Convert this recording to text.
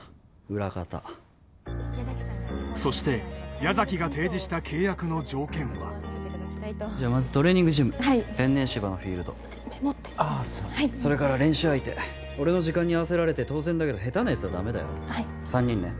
裏方そして矢崎が提示した契約の条件はじゃまずトレーニングジムはい天然芝のフィールドメモってはいそれから練習相手俺の時間に合わせられて当然だけど下手なやつはダメだよはい３人ね